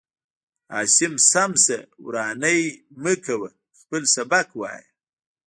عاصم سم شه وراني من كوه خپل سبق وايا.